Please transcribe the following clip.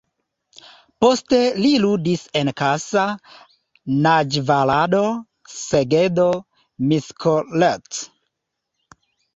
Poste li ludis en Kassa, Nadjvarado, Segedo, Miskolc.